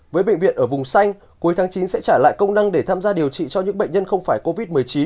với bệnh viện ở vùng xanh cuối tháng chín sẽ trả lại công năng để tham gia điều trị cho những bệnh nhân không phải covid một mươi chín